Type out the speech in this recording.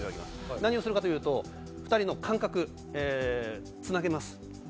何をするかというと２人の感覚つなげます。